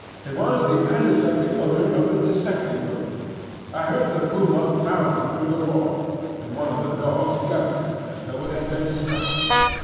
It was the antiseptic odour of the dissecting room. I heard the puma growling through the wall, and one of the dogs yelped as though it had been struck.